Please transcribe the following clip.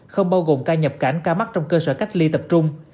không bao gồm ca nhập cảnh ca mắc trong cơ sở cách ly tập trung